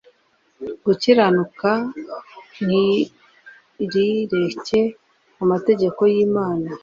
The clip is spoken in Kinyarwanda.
Gukiranuka ntirireke amategeko y imana